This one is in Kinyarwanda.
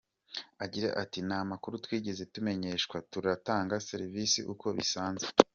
Agira ati “Nta makuru twigeze tumenyeshwa, turatanga serivise uko bisanzwe.